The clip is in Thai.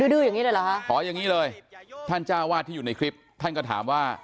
ดื้ออย่างนี้เลยเหรอฮะขออย่างนี้เลยท่านเจ้าวาดที่อยู่ในคลิปท่านก็ถามว่า